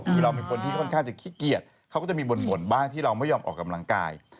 คือเราเป็นคนที่ค่อนข้างจะขี้เกียจเขาก็จะมีบ่นบ้างที่เราไม่ยอมออกกำลังกาย